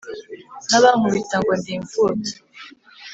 n'abankubita ngo ndi imfubyi